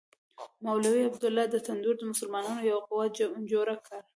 مولوي عبیدالله د توندرو مسلمانانو یوه قوه جوړه کړه.